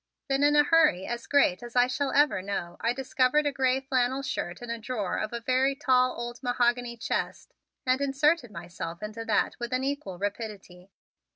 Then in a hurry as great as I shall ever know I discovered a gray flannel shirt in a drawer of the very tall old mahogany chest and inserted myself into that with an equal rapidity.